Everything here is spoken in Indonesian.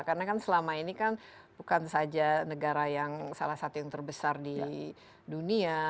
karena kan selama ini bukan saja negara yang salah satu yang terbesar di dunia